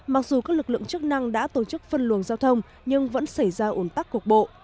mặc dù các lực lượng chức năng đã tổ chức phân luồng giao thông nhưng vẫn xảy ra ủn tắc cục bộ